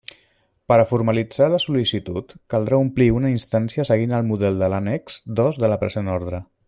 Per a formalitzar la sol·licitud caldrà omplir una instància seguint el model de l'annex dos de la present orde.